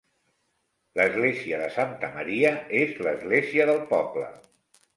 L'església de Santa Maria és l'església del poble.